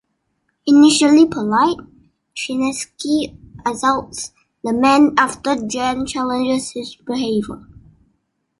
Initially polite, Chinaski assaults the man after Jan challenges his behavior.